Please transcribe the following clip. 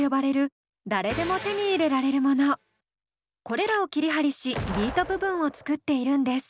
これらを切り貼りしビート部分を作っているんです。